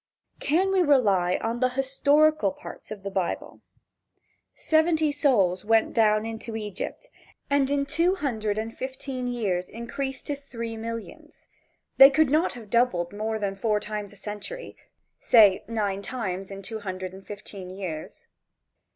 Can we rely on the historical parts of the Bible? Seventy souls went down into Egypt, and in two hundred and fifteen years increased to three millions. They could not have doubled more than four times a century. Say nine times in two hundred and fifteen years.